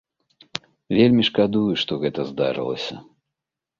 Вельмі шкадую, што гэта здарылася.